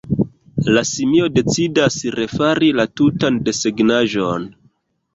La simio decidas refari la tutan desegnaĵon.